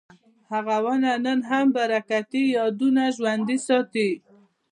هغه ونه نن هم برکتي یادونه ژوندي ساتي.